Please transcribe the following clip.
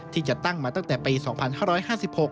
ที่จะตั้งมาตั้งแต่ปี๒๕๕๖